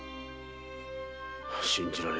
信じられぬ話だ。